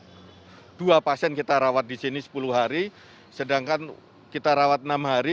rawat dua pasien kita rawat disini sepuluh hari sedangkan kita rawat enam hari